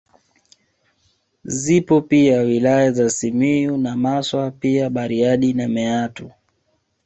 Zipo pia wilaya za Simiyu na Maswa pia Bariadi na Meatu